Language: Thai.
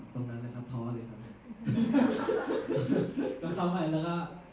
ตรงนั้นแหละครับท้อเลยครับ